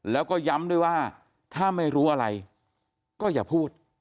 แล้วก็ย้ำด้วยว่าถ้าไม่รู้อะไรก็อย่าพูด